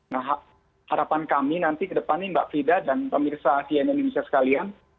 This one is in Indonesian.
nah harapan kami nanti ke depannya mbak frida dan pemirsa cnn indonesia sekalian